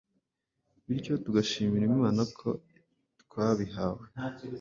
bityo tugashimira Imana ko twabihawe.